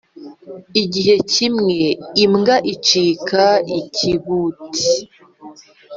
Igihe kimwe imbwa icika ikibuti